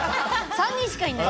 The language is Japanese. ３人しかいない。